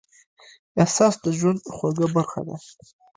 احساس د ژوند خوږه برخه ده.